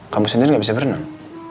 kamu sendiri gak bisa berenang